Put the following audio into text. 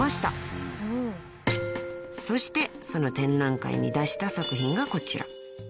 ［そしてその展覧会に出した作品がこちら］